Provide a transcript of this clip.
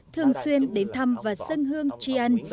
thường xuyên đến thăm và dân hương chi ăn